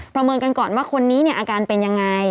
เมินกันก่อนว่าคนนี้เนี่ยอาการเป็นยังไง